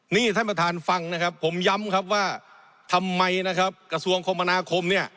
นี่เช่นประทานฟังนะครับผมย้ำครับว่าทำไมกระทรวงคมพนาคม